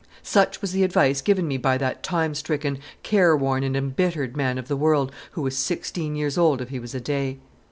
Such was the advice given me by that time stricken, careworn, and embittered man of the world, who was sixteen years old if he was a day.